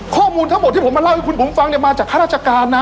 ข้อมูลทั้งหมดที่ผมมาเล่าให้คุณบุ๋มฟังเนี่ยมาจากข้าราชการนะ